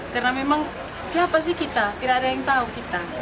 karena memang siapa sih kita tidak ada yang tahu kita